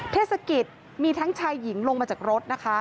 เทศกิจมีทั้งชายหญิงลงมาจากรถนะคะ